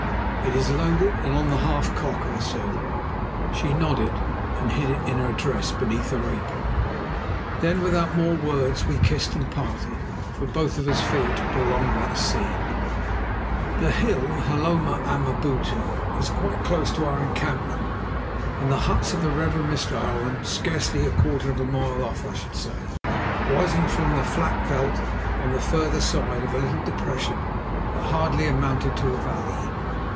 "It is loaded and on the half cock," I said. She nodded, and hid it in her dress beneath her apron. Then without more words we kissed and parted, for both of us feared to prolong that scene. The hill Hloma Amabutu was quite close to our encampment and the huts of the Reverend Mr. Owen, scarcely a quarter of a mile off, I should say, rising from the flat veld on the further side of a little depression that hardly amounted to a valley.